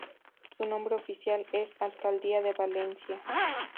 Su nombre oficial es "Alcaldía de Valencia".